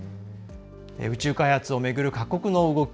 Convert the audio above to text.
宇宙開発をめぐる各国の動き